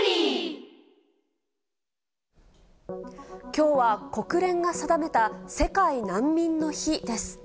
きょうは国連が定めた、世界難民の日です。